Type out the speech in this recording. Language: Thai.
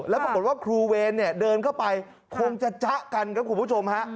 แล้วปรากฏว่าครูเวรเนี่ยเดินเข้าไปคงจะจ๊ะกันครับคุณผู้ชมฮะ